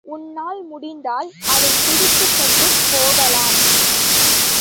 உன்னால் முடிந்தால், அதை பிடித்துக்கொண்டு போகலாம்.